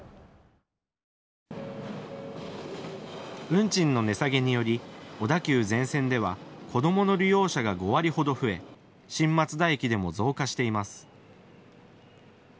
運賃の値下げにより小田急全線では子どもの利用者が５割ほど増え、新松田駅でも増加しています。